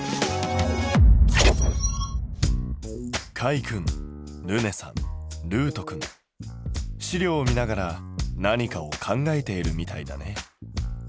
カイ君ルネさんるうと君資料を見ながら何かを考えているみたいだね。